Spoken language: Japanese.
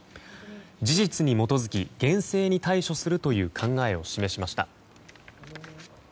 事実に基づき厳正に対処すると考えを示しました。